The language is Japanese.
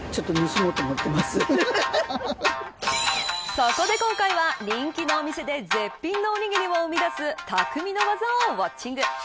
そこで今回は、人気のお店で絶品のおにぎりを生み出す匠の技をウオッチング。